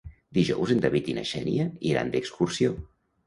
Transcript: Dijous en David i na Xènia iran d'excursió.